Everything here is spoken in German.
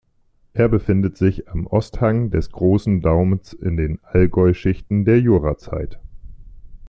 Er befindet sich am Osthang des Großen Daumens in den Allgäu-Schichten der Jurazeit.